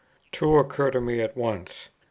Two occur to me at once; No.